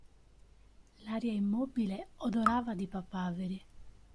L'aria immobile odorava di papaveri.